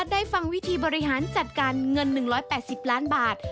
ได้ฟังวิธีบริหารจัดการเงิน๑๘๐ล้านบาท